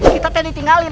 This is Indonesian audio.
kita tidak ditinggalkan